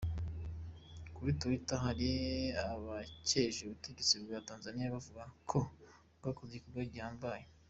Kuri Twitter, hari abakeje ubutegetsi bwa Tanzania bavuga ko bwakoze igikorwa gihambaye.